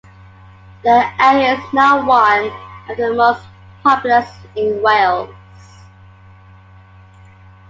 The area is now one of the most populous in Wales.